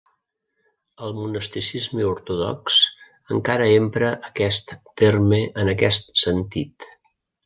El monasticisme ortodox encara empra aquest terme en aquest sentit.